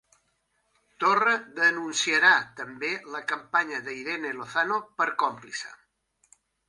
Torra denunciarà també la companya d'Irene Lozano per còmplice